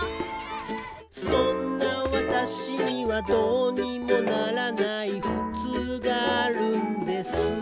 「そんな私には、どうにもならないふつうがあるんです」